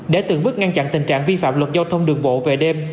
để từng bước ngăn chặn tình trạng vi phạm luật giao thông đường bộ về đêm